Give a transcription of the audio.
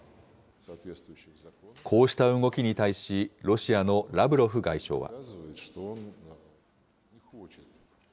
こうした動きに対し、ロシアのラブロフ外相は。